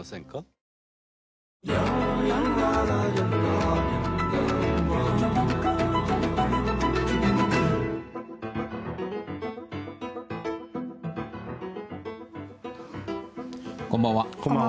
こんばんは。